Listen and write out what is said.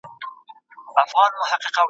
غړوي سترګي چي ویښ وي پر هر لوري `